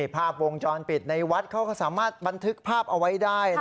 ภาพวงจรปิดในวัดเขาก็สามารถบันทึกภาพเอาไว้ได้